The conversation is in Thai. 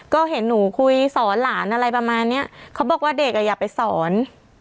ก็เห็นหนูคุยสอนหลานอะไรประมาณเนี้ยเขาบอกว่าเด็กอ่ะอย่าไปสอน